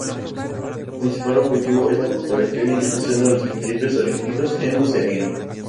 Su principal objetivo es la propagación y difusión de los principios olímpicos en Oceanía.